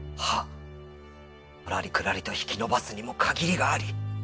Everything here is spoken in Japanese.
のらりくらりと引き延ばすにも限りがあり。